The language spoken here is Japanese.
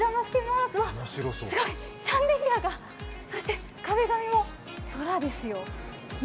すごい、シャンデリアが、そして壁紙も空ですよ